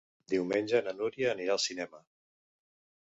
Diumenge na Núria anirà al cinema.